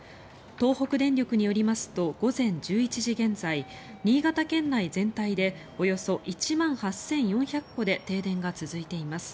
東北電力によりますと午前１１時現在新潟県内全体でおよそ１万８４００戸で停電が続いています。